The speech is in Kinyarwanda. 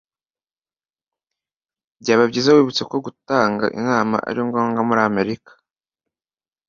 byaba byiza wibutse ko gutanga inama ari ngombwa muri amerika